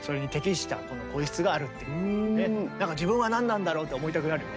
自分は何なんだろうと思いたくなるよね。